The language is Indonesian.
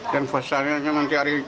dan puasanya nanti hari jumat